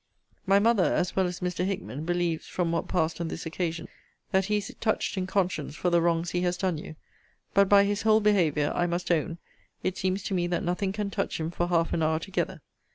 My mother, as well as Mr. Hickman, believes, from what passed on this occasion, that he is touched in conscience for the wrongs he has done you: but, by his whole behaviour, I must own, it seems to me that nothing can touch him for half an hour together.